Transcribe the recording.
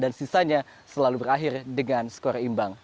dan sisanya selalu berakhir dengan skor imbang